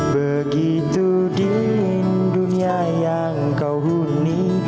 begitu di dunia yang kau huni